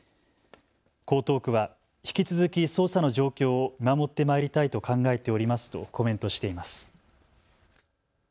江東区は引き続き捜査の状況を見守ってまいりたいと考えておりますとコメントしています。